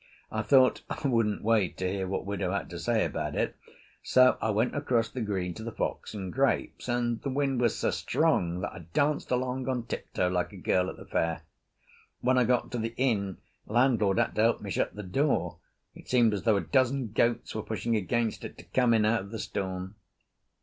I thought I wouldn't wait to hear what widow had to say about it, so I went across the green to the "Fox and Grapes", and the wind was so strong that I danced along on tiptoe like a girl at the fair. When I got to the inn landlord had to help me shut the door; it seemed as though a dozen goats were pushing against it to come in out of the storm.